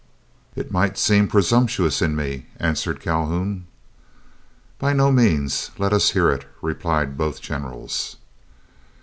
"It might seem presumptuous in me," answered Calhoun. "By no means; let us hear it," replied both generals.